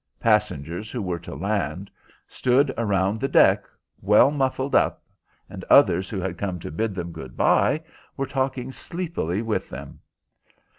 Passengers who were to land stood around the deck well muffled up, and others who had come to bid them good bye were talking sleepily with them.